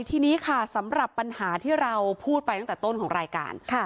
ทีนี้ค่ะสำหรับปัญหาที่เราพูดไปตั้งแต่ต้นของรายการ